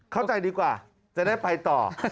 เข้าใจดีกว่าจะได้ไปต่อ